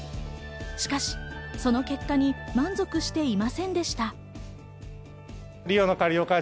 しかし、その結果に満足していませんでした。